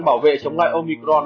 bảo vệ chống lại omicron